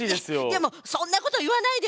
でもそんなこと言わないでよ。